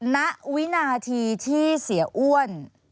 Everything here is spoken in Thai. ณวินาทีที่เสียอ้วน